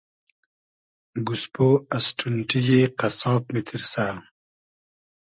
گۉسپۉ از ݖونݖی یی قئسساب میتیرسۂ